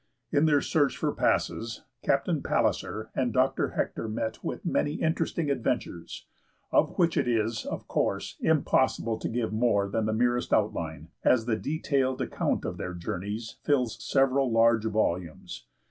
In their search for passes, Captain Palliser and Dr. Hector met with many interesting adventures, of which it is, of course, impossible to give more than the merest outline, as the detailed account of their journeys fills several large volumes.